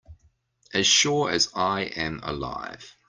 As sure as I am alive.